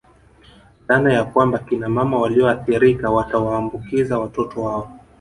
Dhana ya kwamba Kina mama walioathirika watawaambukiza watoto wao